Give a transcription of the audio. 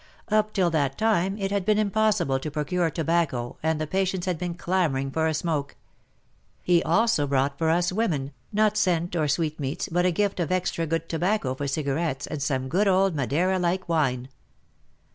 Up till that time it had been impossible to procure tobacco, and the patients had been clamouring for a smoke. He also brought for us women, not scent or sweetmeats, but a gift of extra good tobacco for cigarettes and some good old Madeira like wine.